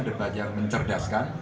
debat yang mencerdaskan